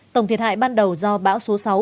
tổng thiệt hại ban đầu do bão số sáu